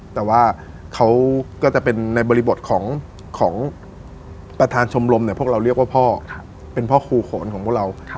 แต่ว่าเขาก็จะเป็นในบริบทของประธานชมรมเนี่ยพวกเราเรียกว่าพ่อเป็นพ่อครูโขนของพวกเรา